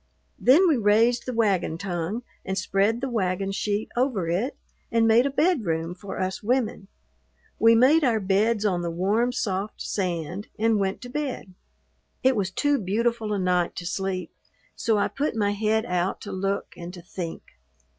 Then we raised the wagon tongue and spread the wagon sheet over it and made a bedroom for us women. We made our beds on the warm, soft sand and went to bed. It was too beautiful a night to sleep, so I put my head out to look and to think.